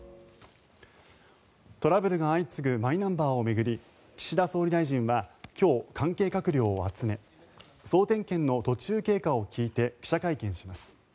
トラブルが相次ぐマイナンバーを巡り岸田総理大臣は今日関係閣僚を集め総点検の途中経過を聞いて記者会見します。